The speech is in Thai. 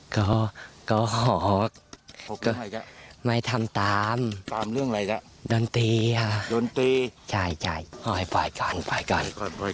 โกหกไม่ทำตามโดนตีฮะโดนตีใช่ใช่ปล่อยปล่อยก่อนปล่อยก่อน